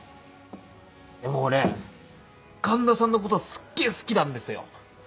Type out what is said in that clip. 俺環田さんのことすっげぇ好きなんですよ。